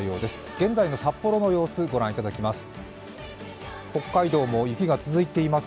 現在の札幌の様子、ご覧いただきます。